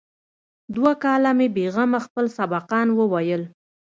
دوه کاله مې بې غمه خپل سبقان وويل.